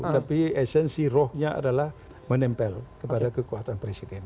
tapi esensi rohnya adalah menempel kepada kekuatan presiden